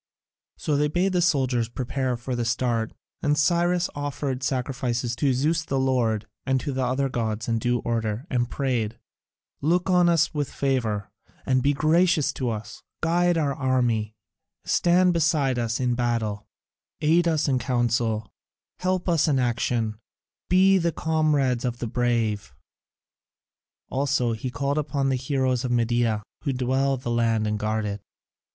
So they bade the soldiers prepare for the start, and Cyrus offered sacrifices to Zeus the Lord and to the other gods in due order, and prayed, "Look on us with favour, and be gracious to us; guide our army, stand beside us in the battle, aid us in council, help us in action, be the comrades of the brave." Also he called upon the Heroes of Media, who dwell in the land and guard it.